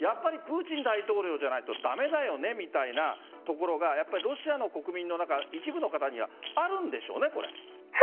プーチン大統領じゃないと駄目だよねみたいなところがロシアの国民の一部の方にはあるんでしょうね？